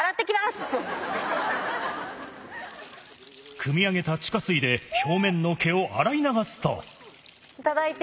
くみ上げた地下水で表面の毛を洗い流すと。